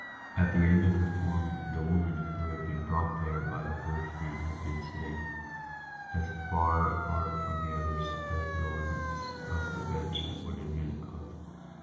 At the end of the form the woman who had been brought there by the policeman had been sitting — as far apart from the others as the limits of the bench would admit of.